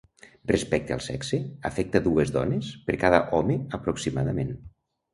Respecte al sexe, afecta dues dones per cada home aproximadament.